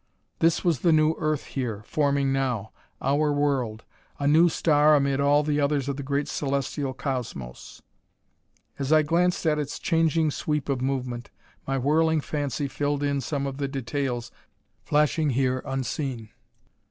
This was the new Earth here, forming now. Our world a new star amid all the others of the great Celestial Cosmos. As I gazed at its changing sweep of movement, my whirling fancy filled in some of the details flashing here unseen.